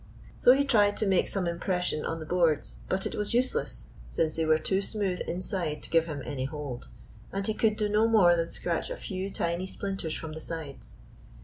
So he tried to make some impression on the boards. But it was useless, since they were too smooth inside to give him any hold, and he could do no more than scratch a few tiny splinters from the sides.